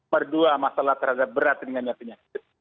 berdua masalah terhadap berat ringannya penyakit